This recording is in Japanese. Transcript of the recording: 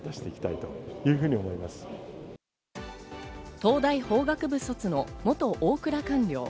東大法学部卒の元大蔵官僚。